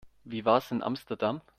Wie war's in Amsterdam?